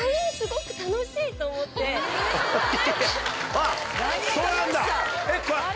あっそうなんだ。